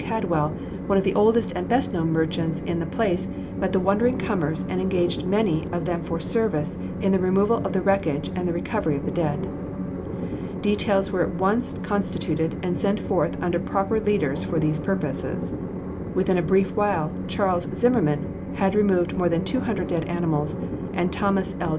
Caldwell, one of the oldest and best known merchants in the place, met the wondering comers and engaged many of them for service in the removal of the wreckage and the recovery of the dead. Details were at once constituted and sent forth under proper leaders for these purposes. Within a brief while, Charles Zimmerman had removed more than two hundred dead animals, and Thos. L.